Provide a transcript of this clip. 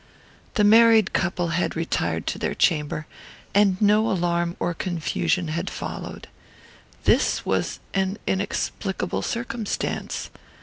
"The married couple had retired to their chamber, and no alarm or confusion had followed. This was an inexplicable circumstance.